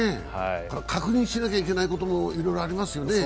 確認しなきゃいけないこともいろいろありますよね。